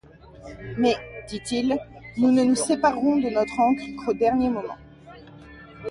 Mais, dit-il, nous ne nous séparerons de notre ancre qu’au dernier moment.